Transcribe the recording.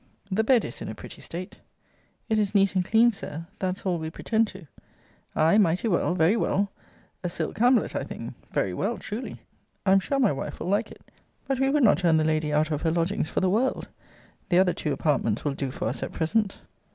The bed is in a pretty state. It is neat and clean, Sir: that's all we pretend to. Ay, mighty well very well a silk camblet, I think very well, truly! I am sure my wife will like it. But we would not turn the lady out of her lodgings for the world. The other two apartments will do for us at present.